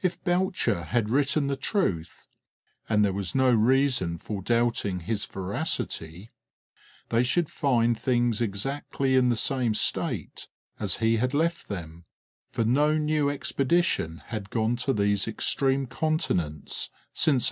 If Belcher had written the truth and there was no reason for doubting his veracity they should find things exactly in the same state as he had left them, for no new expedition had gone to these extreme continents since 1853.